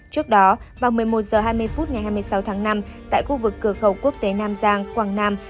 trước đó vào một mươi một h hai mươi phút ngày hai mươi sáu tháng năm tại khu vực cửa khẩu quốc tế nam giang quảng nam